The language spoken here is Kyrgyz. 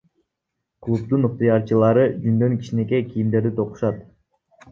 Клубдун ыктыярчылары жүндөн кичинекей кийимдерди токушат.